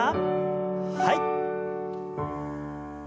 はい。